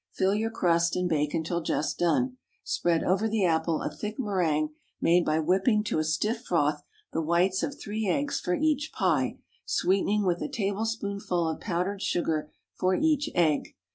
Fill your crust, and bake until just done. Spread over the apple a thick méringue, made by whipping to a stiff froth the whites of three eggs for each pie, sweetening with a tablespoonful of powdered sugar for each egg.